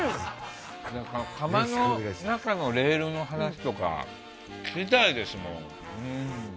釜の中のレールの話とか聞きたいですもん。